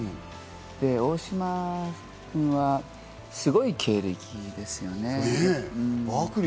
大島君はすごい経歴ですよね。